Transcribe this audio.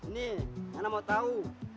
nih mana mau tau